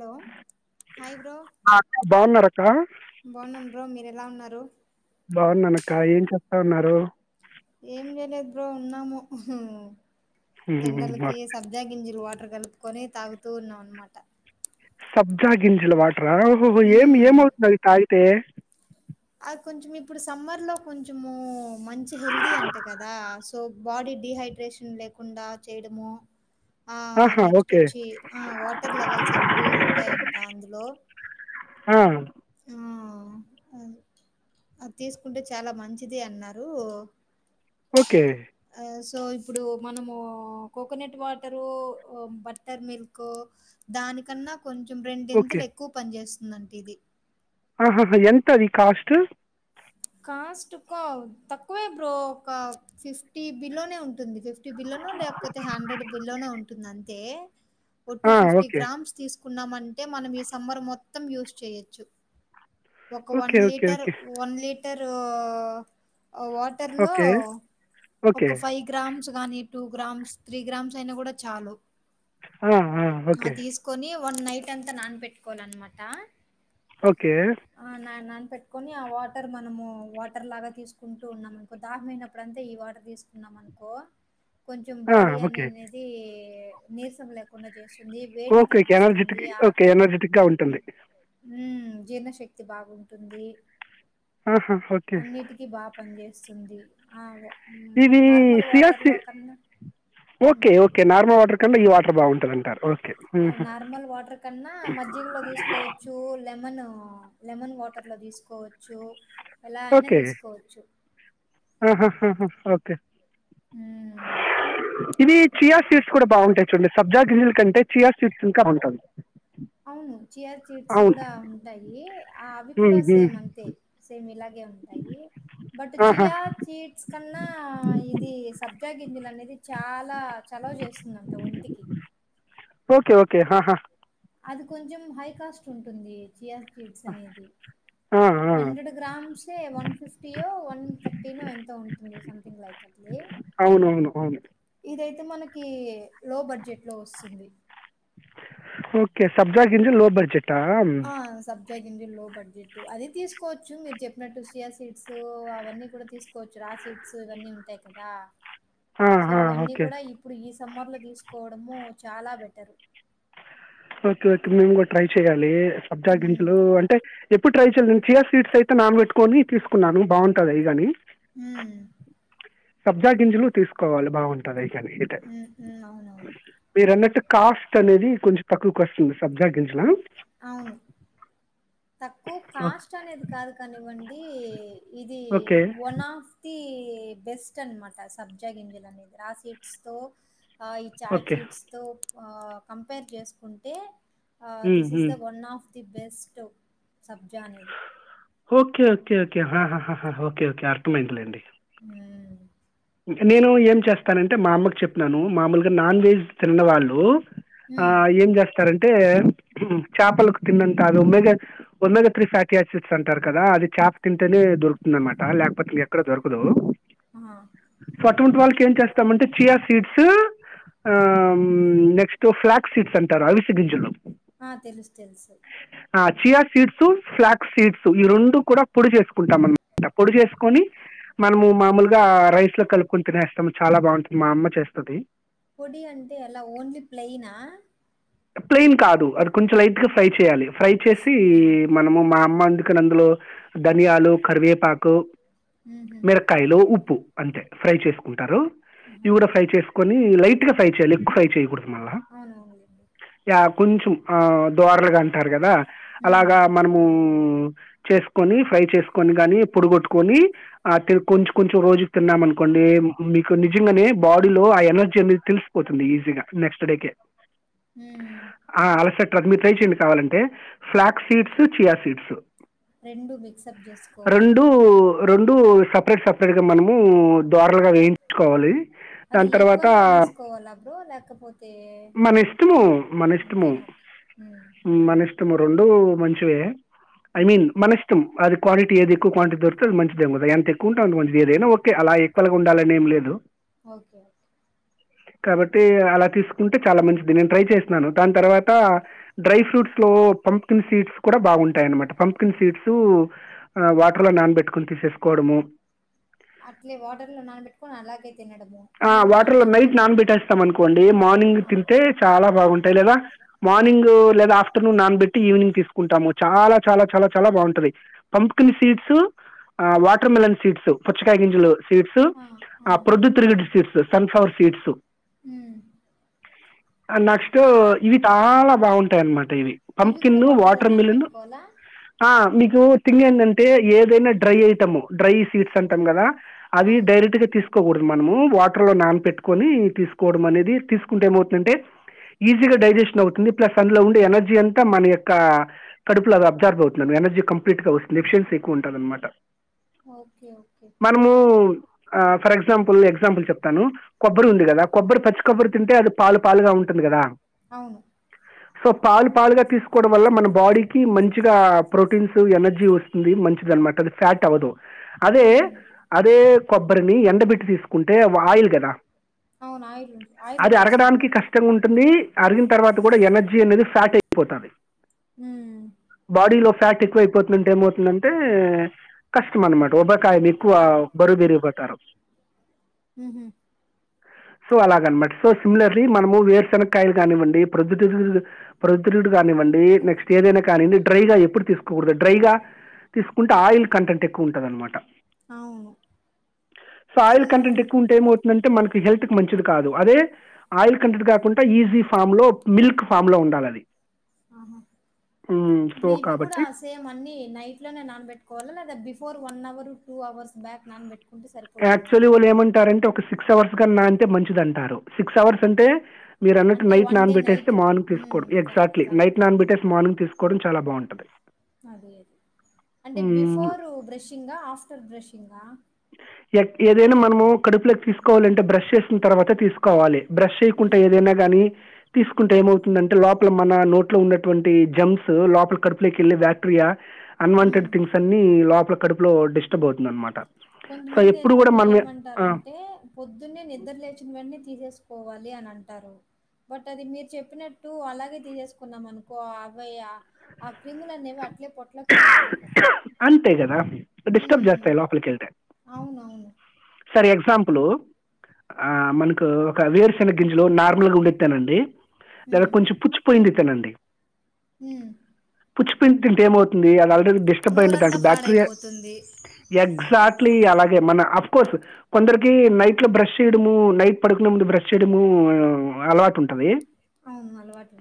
Hello hi bro [inaudible] అక్క బాగున్నారు అక్క బాగున్నాను మీరు ఎలా ఉన్నారు బాగున్నా అనక ఏం చెస్తా ఉన్నారు ఏం చేలేదు బ్రో ఉన్నాము ఉమ్, ఎండాలకి సబ్జ్ గింజలు వాడు అక్కడ కలుపుకొని తాగుతూ ఉన్నాం అన్నమాట సబ్జా గింజల్ వాడు రాహోహో ఏం ఏం మ్మ్. ఏమవుతుంది అది కాయి తే అది కొంచెం ఇప్పుడు సమ్మర్ లో కొంచెము మంచి హెల్దీ అంటే కదా సో బాడీ డిహైడ్రేషన్ లేకుండా చేయడము ఆ ఆహా నెక్స్ట్ ఓకే వచ్చి ఆ వాటర్ లెవెల్స్ ఎప్పుడు ఉంటాయంట అందులో ఆ ఆ, అది అది తీసుకుంటే చాలా మంచిది అన్నారు ఓకే ఆ సో ఇప్పుడు మనము కోకోనట్ వాటరు బట్టర్ మిల్క్ దానికన్నా కొంచెం ఓకే రెండింతలు ఎక్కువ పని చేస్త నంటిది ఆహహ ఎంత అది కాస్ట్ కాస్ట్ ఒక తక్కువే బ్రో ఒక ఫిఫ్టీ బిలోనే ఉంటుంది ఫిఫ్టీ బిలో నో లేకపోతే హండ్రెడ్ బిలో నో ఉ ఉంటుంది అంతే ఓ టూ ఆ, ఫిఫ్టీ ఓకే గ్రామ్స్ తీసు కున్నామంటే మనం ఈ సమ్మర్ మొత్తం యూజ్ చేయొచ్చు ఒక one okay okay litre okay one లీట [unintelligible] thorough ఆ వాటర్ లో ఓకే ఓకే ఒక ఫైవ్ గ్రామ్స్ కానీ టూ గ్రామ్స్ త్రీ గ్రామ్స్ అయినా కూడా చాలు ఆ ఆ ఓకే వన్ నైట్ అంతా నానబెట్టికోవాలి అన్నమాట ఓకే పెట్టుకొని ఆ వాటర్ మనము వాటర్ లాగా తీసుకుంటూ ఉన్నాం అనుకో దాహంమయినప్పుడు అంతా ఈ వాటర్ తీసుకున్నాం అనుకో కొంచెం ఆ, బాడీ ఓకే అనేనేది నీరసం లేకుండా చేసు టుంది వేడిని ఓకే ఓకే ఎనర్జెటిక్ తగ్గిస్తుంది ఓకే ఆకలి ఎనర్జెటిక్గా ఉంటుంది ఉమ్ హుమ్ జీర్ణశక్తి తి బాగుంటుంది ఆహా ఓకే అన్నిటికీ బాగా పనిచేస్తుంది ఆ ఓ ఇవి సియాసి um okay okay normal water కన్నా ఈ వాటర్ బాగుంటది అంటారు ఒ నార్మల్ వాటర్ కన్నా మజ్జిగలో తీసుకోవచ్చు లెమను లెమన్ వాటర్ లో తీసుకోవచ్చు ఎలా అయినా ఓకే తీసుకోవచ్చు ఆహా హా హా ఓకే ఉమ్మ్ ఇవి చియా సీడ్స్ కూడా బావుంటాయి చూడండి సబ్జా గింజల కంటే చియా సీడ్స్ ఇంకా బావుంటాది అవును చియా సీడ్స్ కూడా ఉంటాయి అవి ఉమ్, కూడా ఉమ్. సేమ్ అంతే సేమ్ ఇలా గే ఉంటాయి బట్ ఆహా. చియా సీడ్స్ కన్నా ఇది సబ్జా గింజలు అనేది చాలా చలవ చేస్తుందంట ఒంటికి కే హా హా అది కొంచెం హై కాస్ట్ ఉంటుంది చియా సీడ్స్ అనేది ఆ, ఆ. హండ్రడ్ గ్రామ్స్ ఏ వన్ ఫిఫ్టీ యో వన్ తర్టీ నో ఎంతో ఉంటుంది సంథింగ్ లైక్ అట్లే అవును అవును అవును ఇదై తే మనకి లో బడ్జెట్ లో వస్తుంది కే సబ్జా గింజలు లో బడ్జెట్ టాం జా గింజలు లో బడ్జెట్ అది తీసుకోవచ్చు మీరు చెప్పినట్టు సియా సీడ్స్ అవన్నీ కూడా తీసుకోవచ్చు రా సీడ్స్ ఇవన్నీ ఉంటాయి కదా సో ఆహా, ఇవన్నీ ఓకే కూడా ఇప్పుడు ఈ సమ్మర్లో తీసుకోవడము చాలా బెటరు ఓకే ఓకే మేము కూడా ట్రై చెయ్యాలి సబ్జా హ్మ్. గింజలు అంటే ఎప్పుడు ట్రై చేయలే నేను చియా సీడ్స్ అయితే నానబెట్టుకొని తీసుకున్నాను బావుంటాది అవి కానీ ఉమ్మ్ సబ్జా గింజులు తీసుకోవాలి బావుంటది హ్మ్. హ్మ్. అవునవును. [unintelligible] మీరన్నట్టు కాస్ట్ అనేది కొంచెం తక్కువకొస్తుంది సబ్జా గింజలా అవును తక్కువ ఓ- కాస్ట్ అనేది కాదు కానివ్వన్ ది ఇది ఓకే వన్ ఆఫ్ ది ఇ బెస్ట్ అన్నమాట సబ్జా గింజలు అనేది రా సీడ్స్ తో ఆ ఈ చాయ్ ఓకే చీట్స్ తో వ కంపేర్ చేసుకుంటే ఆ um, this is um. The one of the best సబ్జా అనేది ఓకే ఓకే ఓకే హ హ ఓకే ఓకే అర్ధమయ్యింది లేండి హ్మ్. నేను ఏం చేస్తానంటే మా అమ్మకు చెప్పినాను మామూలుగా నాన్ వెజ్ తిన్న వాళ్ళు ఆ హ్మ్. ఏం చేస్ స్తారంటే చేపలకు తిన్నంత అది omega, omega three fatty acids అంటారు కదా అది చేప తింటేనే దొరుకుతుంది అన్నమాట లేకపోతే ఎక్కడా దొరకదు ఆ సో అటువంటి వాళ్ళకి ఏం చేస్తామంటే చియా సీడ్స్. ఆ నెక్స్ట్ ఫ్లాక్ సీడ్స్ అంటారు అవిసెగింజలు ఆ తెలుసు, తెలుసు. ఆ చియా సీడ్స్ ఫ్లాక్స్ సీడ్స్ ఈ రెండు కూడా పొడి చేసుకుంటాం అన్నమాట. పొడి చేసుకొని మనము మామూలుగా రైస్లో కలుపుకొని తినేస్తాం చాలా బావుంటుంది మా అమ్మ చేస్తది. పొడి అంటే ఎలా ఓన్లీ ప్లెయినా ప్లెయిన్ కాదు అది కొంచెం లైట్ గా ఫ్రై చేయాలి ఫ్రై చేసి ఆహా! మనము మా వందుకని అందులో ధనియాలు, కరివేపాకు హుహు. మిరక్కాయలు ఉప్ ఉప్పు అంతే ఫ్రై చేసుకుంటారు ఆహా! ఇవి గుడా ఫ్రై చేస్ కొనీ లైట్ గా ఫ్రై చేయాలి ఎక్కువ ఫ్రై చేయకూడదు మల్లా అవునవునులెండి. ఆ కొంచెం ఆ దోర్లగా అంటారు గదా హ్మ్. అలాగా మనము చేసుకొని ఫ్రై చేసుకొని గాని పొడిగొట్టుకొని ఆ కొంచెం కొంచెం రోజు తిన్నామనుకోండి మీకు నిజంగానే బాడీలో ఆ ఎనర్జీ అనేది తెలిసిపోతుంది ఈజీగా నెక్స్ట్ డేకే హుమ్ హు బట్ మీరు ట్రై చేయండి కావాలంటే flax seeds chia seeds mix up జేసుకోవాలి. రెండు రెండు సపరేట్ సపరేట్గా మనము ద్వారలుగా వేయించుకోవాలి అది దాని తర్వాత ఈక్వల్ గా తీసుకోవాల బ్రో లేకపోతే మన ఇష్టము మనష్టము ఎంతైనా ఓకే. హ్మ్. మనిష్ ఇము రెండు మంచివే ఐ హ్మ్. మీన్ మనిష్టం అద్ క్వాలటీ ఏది ఎక్కువ క్వాంటిటీ దొరితే అది మంచిదే, ఎంత ఎక్కువ ఉంటే అంత మంచిది ఏదైనా ఓకే అలా ఈక్వల్ గా ఉండాలని ఏం లేదు. ఓకే కాబట్టి అలా తీసుకుంటే చాలా మంచ్ ది నేను ట్రై చేసినాను దాని తర్వాత డ్రై ఫ్రూట్స్ లో పంప్కిన్ సీడ్స్ కూడా బాగుంటాయనమాట, పంప్కిన్ సీడ్స్ వాటర్ లో నానబెట్టుకుని తీసేసుకోవడము. అట్లే వాటర్లో నానబెట్టుకొని అలాగే తినడము నేను మా వాటర్లో నైట్ నార్మల్గా తే చాలా బాగుంటాయి లేదా మార్నింగ్ గు లేదా ఆఫ్టర్నూన్ నానబెట్టి ఈవినింగ్ తీస్ కుంటాము చాలా చాలా చాలా చాలా బాగుంటది. పంప్కిన్ సీడ్స్ ఆ వాటర్ మెలన్ సీడ్స్ పుచ్చకాయ గింజలు. సీడ్స్ ఆ ప్రొద్దు తిరుగుడు సీడ్స్ సన్ఫ్లవర్ సీడ్స్ మ్ ఆ నెక్స్ట్ఇవి చాల బాగుంటాయి అన్మాట. దేవి ఇవి కూడా పంప్కిన్ను వాటర్‌లో వాటర్ మిలను నానబెట్టుకోవాలా? ఆ మీకు తింగ్ ఏంటంటే ఏదైనా డ్రై ఐటమ్ డ్రై సీడ్స్ అంటాం కదా, అవి అవును. డైరెక్ట్ గా తీసుకోకూడదు మనము. వాటర్ లో నాన్ పెట్టుకొని తీసుకోవడం అనేది తీస్ కుంటే ఏమవుతుందంటే, ఈజీగా డైజెషన్ అవుతుంది ప్లస్ అందులో ఉండే ఎనర్జీ అంతా మన యొక్క కడుపులో అది అబ్జార్బ్ అవుతుందని ఎనర్జీ కంప్లీట్ గా వస్తుంది ఎఫిషియన్సీ ఎక్కువుంటాదన్మాట. Okay okay for example example చెప్తాను కొబ్బరి ఉంది హ్మ్. కదా కొబ్బరి పచ్చికొబ్బరి అది పాలు పాలుగా ఉంటుంది కదా అవును. సో పాలు పాలుగా తీసుకోవడం వల్ల మనం బాడీకి మంచిగా ప్రో ప్రోటీన్స్ ఎనర్జీ వస్తుంది మంచిదన్మాట అది ఫ్యాట్ అవ్వదు అదే హ్మ్. అదే కొబ్బరిని ఎండబెట్టి తీసుకుంటే వ ఆయిల్ కదా అవున్ ఆయిల్ ఉన్ అది అరగడానికి కష్టంగుంటుంది. అరిగిన తర్వాత కూడా ఎనర్జీ అనేది ఫ్యాట్ అయిపోతాది. మ్మ్ ఫ్యాట్ ఎక్కువ అయిపోతుందంటే ఏమవుతుందంటే, కష్టం అనమాట. రోబకాయం ఎక్కువ బరువుపెరిగి పోతారు మ్మ్ హు సో అలాగన్మా సో సిమిలర్లీ మనము వేరుశనక్కాయలు కానివ్వండి, ప్రోద్ తిర్ ప్రొద్దుతిరుగుడు కానివ్వండి, నెక్స్ట్ ఏదైనా కానీన్డి డ్రైగా ఎప్పుడు తీసుకోకూడదన్ డ్రైగా తీసుకుంటే ఆయిల్ కంటెంట్ ఎక్కువుంటదన్మాట. అవును. సో ఆయిల్ కంటెంట్ ఎక్కువుంటే ఏమవుతుందంటే మనక్ ఇ హెల్త్ కి మంచిది కాదు. అదే, ఆయిల్ కంటెట్ కాకుండా ఈజీ ఫామ్ లో మిల్క్ ఫామ్ లో ఉండాలి అది ఆహా మ్మ్. సో ఇప్పుడు ఇవి కూడా కాబట్టి సేమ్ అన్ని నైట్ లోనే నానబెట్టుకోవాలా లేదా before one hour two hours back నానబెట్ యాక్చువల్లీ వాళ్ళు ఏమంటారంటే ఒక సిక్ క్స్ అవర్స్ గాన్ నాన్తే మంచిది అంటారు. సిక్స్ అవర్స్ అంటే, మీరు అన్నట్టు అంటే నైట్ వన్ నాన్ డే బెట్టేస్తే నైట్ మార్నింగ్ ఉమ్, తీస్కోవడం. కరెక్ట్ ఎగ్జాక్ట్లీ కరెక్ట్ నైట్ నాన్ ఉమ్, బెట్టేస్ మార్నింగ్ తీస్ కూడా చాలా బాగుంటది అది అది అంటే మ్మ్. బిఫోర్ బ్రషింగాా ఆఫ్టర్ బ్రషింగాా ఎ ఏదైనా మనము కడుపులోకి తీసుకోవాలింటే బ్రష్ చేసిన తర్వాత తీసుకోవాలి బ్రష్ చేయకుండా ఉమ్. ఏదైనా కానీ తీసుకుంటే ఏమవుతుందంటే లోపల మన నోట్లో ఉన్నటువంటి జమ్స్ లోపల కడుపులోకి వెళ్ళి బ్యాక్టీరియా ఉమ్. అన్వాంటెడ్ థింగ్స్ అన్ని లోప కడుపులో డిస్టర్బ్ అవుతుంది అనమాట సో కొంతమంది ఎప్పుడు ఎంత కూడా మనం ఆ, ఏమంటారంటే పొద్దున్నే నిద్ర లేచిన వెంటనే తీసేసు పోవాలి అని అంటారు బట్ అది మీరు చెప్పినట్టు అలాగే తీసేసుకున్నాం అనుకో అబయ క్రిములన్నేవి అట్లే పొట్లోకి వెళ్ళిపోతాయి కదా ఇంతే కద డిస్టర్బ్ హ్మ్. చేస్తాయి లోపలికిెళ్తే అవునవును ఫర్ ఎగ్జాంపుల్ ఆ మనకు ఒక వేరుశెనగ గింజలో నార్మల్గా ఉండెది తినండి లేద కొంచెం పుచ్చి పోయింది తినండి మ్ పుచ్చి పోయింది తింటే ఏమవుతు ఉంది అది ఆల్రెడీ డిస్టర్బ్ అయి ఉంటుంది నోరంతా దానికి బ్యాక్టీరియా పాడైపోతుంది. ఎగ్జాక్ట్ అలాగే మన కోర్స్ కొందరికి నైట్లో బ్రష్ చేయడము నైట్ పడుకున్న ముందు బ్రష్ చేయడము అలవాటు ఉంటది అవును అలవాటు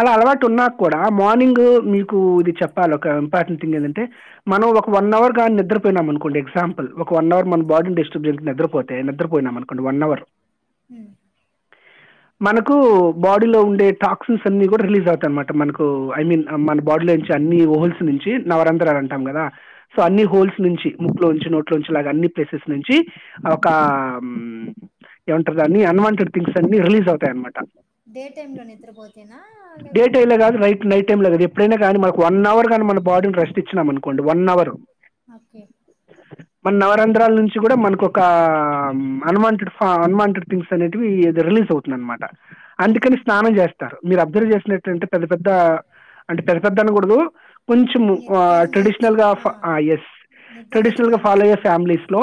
అలా అలవాటు ఉన్నా కూడా మార్నింగ్ మీకు ఇది చెప్పాల ఇంపార్టెంట్ థింగ్ ఏంటంటే మనం ఒక వన్ అవర్ గానీ నిద్రపోయినాం అనుకోండి ఎగ్జాంల్ వన్ అవర్ మనం బాడీను డిస్టర్బ్ చేయకుండా నిద్రపోతే నిద్రపోయినాం అనుకొండి వన్ అవర్ మ్ మనకు బాడీలో ఉండే టాక్సిన్స్ అన్ని కూడా రిలీజ్ అవుతాయన్నమాట మనకు ఐ మీన్ మన బాడీలో నుంచి అన్ని హోల్స్ నుంచి నవరంద్రాలు అంటాం కదా సో ఆ! అన్ని హోల్స్ నుంచి ముక్లో ఉంచి నోట్లోంచిలాగా అన్ని ప్లేసెస్ నుంచి ఒక ఏమంటుారు దాన్ని అన్వాంటెడ్ థింగ్స్ అన్నిీ రిలీజ్ అవుతాయన్నమాట డే టైమ్ లో నిద్రపో డే టైమ్ కాదు రైట్ నైట్ టైమ్లా కాదు ఎప్పుడైనా కానీ మనకు వన్ అవర్ గానీ మన బాడీకి రెస్ట్ ఇచ్చినాం అనుకోండి వన్ అవర్ ఓకే మన నవరంధ్రాల నుంచి కూడా మనకు ఒక అన్వాంటెడ్ అన్వాంటెడ్ థింగ్స్ అనేటివి రిలీజ్ అవుతుందనమాట అందుకని ఆహాహా! స్నానం చేస్తారు మీరు అబ్జర్వ్ చేసినట్ంటే పెద్ద పెద్ద అంటే పెద్ద పెద్ద అనకూడదు కొంచెము నిద్ర లేచి ట్రెడిషనల్గా ఆ! ఎస్ నిద్ర లేచిన ట్రెడిషనల్ గా వెంటనే ఫాలో అయ్యే స్నానం. ఫ్యామిలీస్ లో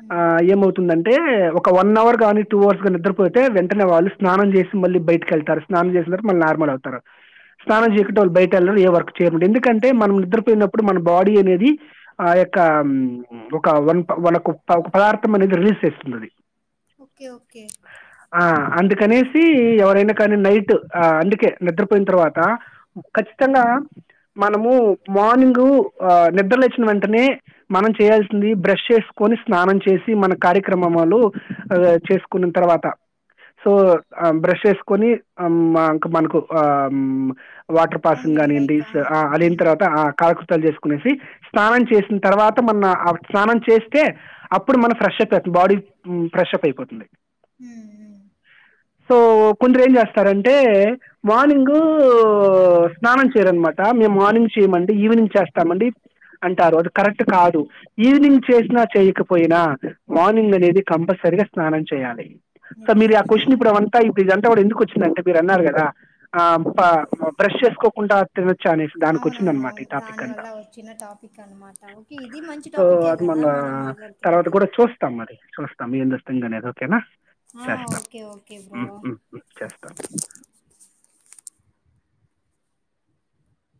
హ్మ్. ఏమవుతుంది అంతే ఒక వన్ అవర్ కానీ టూ అవర్స్ కానీ నిద్ర పోతే వెంటనే వాళ్ళు స్నానం చేసి మళ్ళీ బయటకు సెల్టర్స్ స్నానం చేసిన మళ్ళీ నార్మల్ అవుతారు స్నానం చేయకంటే వాళ్ళ బయట వెళ్ళరూ ఏ వర్క్ చేరు ఎందుకంటే మనం నిద్రపోయినప్పుడు మన బాడీ అనేది ఆ యొక్క ఒకన ఒక పదార్థం అనేది రిలీజ్ చేస్తుంది అది ఓకే ఓకే ఆ అందుకనేసి ఎవరైనా కానీ నైట్ ఆ అందుకే నిద్రపోయిన తర్వాత ఖచ్చితంగా మనము మార్నింగ ఆ నిద్రలేచ్చిన వెంటనే మనం చేయాల్సింది బ్రష్ చేసుకొని స్నానం చేసి మన కార్యక్రమలు చేసుకున్న తర్వాత సో ఆ బ్రష్ చేసుకొని మా అంకా మనకు వాటర్ పాసింగ్ అవునులెండి. కానివండి లైక్ ఆ! అ లేన హ్మ్. తర్వాత ఆ కాలకృతాలు చేసు నేసి స్నానం చేసిన తర్వాత మన స్నానం చేస్తే అప్పుడు మనం ఫ్రెష్ అవుత బాడీ ఫ్రెష్ప్ అయిపోతుంది హ సో కొందరు ఏం స్తారంటే మార్నింగ్ స్నానం చేయరనమాట మేము మార్నింగ్ చేయమండి ఈవినింగ్ చేస్తామండి అంటారు అది కరెక్ట్ కాదు ఈవినింగ్ చేసినా చెయ్యక పోయినా మార్నింగ్ అనేది కంపల్సరీగా స్నానం చేయాలి సో నిద్ర మీరు ఆ లేచిన క్యూషన్ ఇప్పుడు వెంటనే. అంతా ఇప్పుడు అంత కూడా ఎందుకు వచ్చింటే మీరు అన్నారు కదా ఆ బ్రష్ చేసుకోకుండా తినొచ్చా అని దానికి వచ్చింది అనమాట అవునవునవును. ఈ టాపిక్ అంతా దానివల్ల వచ్చిన టాపిక్ అనమాట. ఓకే. ఇది మంచి సో టాపిక్కే అది గదా! మల్ల మనం తర్వాత మాట్లాడుతునేది. కూడా చూస్తాం అది స్వస్తా మీ అందస్స్తు తెంగానే అదఓకేనా ఆ ఓకే ఓకే బ్రో చేస్తా